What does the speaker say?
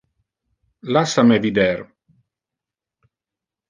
Lassa me vider.